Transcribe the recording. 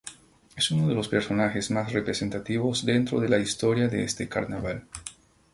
Es uno de los personajes más representativos dentro de la historia de este Carnaval.